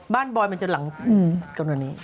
บอยมันจะหลังกันวันนี้